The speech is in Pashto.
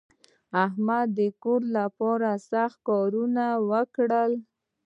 احمد د کور لپاره سخت کارونه وکړل.